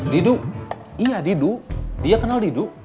didu iya didu dia kenal didu